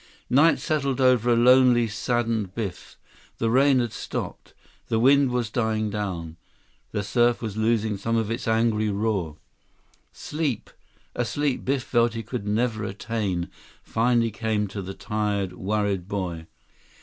Night settled over a lonely, saddened Biff. The rain had stopped. The wind was dying down. The surf was losing some of its angry roar. Sleep, a sleep Biff felt he could never attain, finally came to the tired, worried boy.